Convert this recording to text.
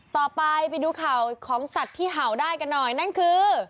ไปดูข่าวของสัตว์ที่เห่าได้กันหน่อยนั่นคือ